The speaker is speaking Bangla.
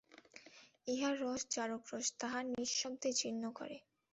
ইহার রস জারক রস, তাহা নিঃশব্দে জীর্ণ করে।